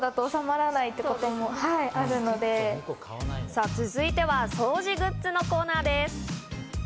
さあ、続いては掃除グッズのコーナーです。